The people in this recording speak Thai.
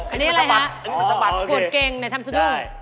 อันนี้แหละครับหววดเก่งในทำสดุ้ง